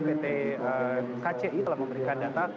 pt kci telah memberikan data